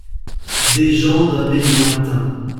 Des gens d’un pays lointain.